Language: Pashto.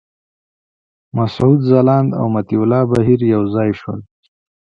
مسعود ځلاند او مطیع الله بهیر یو ځای شول.